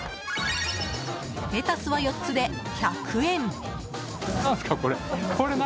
レタスは４つで１００円。